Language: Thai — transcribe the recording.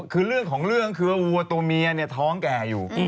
คือเรื่องของเรื่องคือว่าวัวตัวเมียเนี่ยท้องแก่อยู่